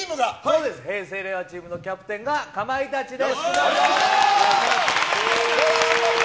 平成・令和チームのキャプテンがかまいたちです。